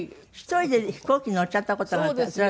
１人で飛行機乗っちゃった事があったって。